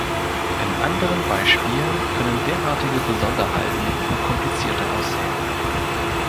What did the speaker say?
In anderen Beispielen können derartige Besonderheiten noch komplizierter aussehen.